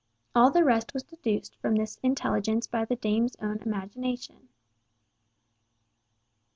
All the rest was deduced from this intelligence by the dame's own imagination.